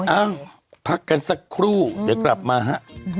เอ้าพักกันสักครู่เดี๋ยวกลับมาฮะ